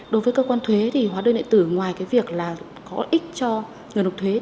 đối với cơ quan thuế hóa đơn điện tử ngoài việc có ích cho người nục thuế